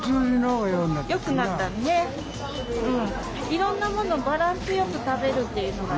いろんなものバランスよく食べるっていうのが。